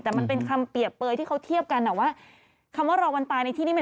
แต่มันเป็นคำเปรียบเปยที่เขาเทียบกันอ่ะว่าคำว่ารอวันตายในที่นี่มัน